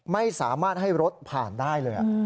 ไม่สามารถให้รถผ่านได้เลย